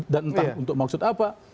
dan entah untuk maksud apa